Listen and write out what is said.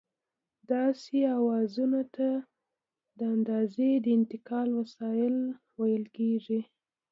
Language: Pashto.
داسې اوزارونو ته د اندازې د انتقال وسایل ویل کېږي.